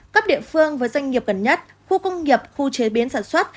cấp địa phương với doanh nghiệp gần nhất khu công nghiệp khu chế biến sản xuất